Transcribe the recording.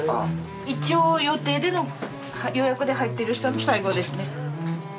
一応予定での予約で入ってる人の最後ですね。